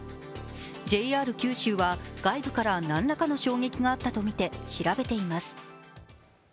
ＪＲ九州は外部から何らかの衝撃があったとみて調べています。